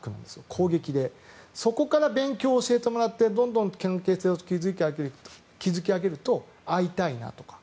攻撃でそこから勉強を教えてもらってどんどん関係性を築き上げると会いたいなとか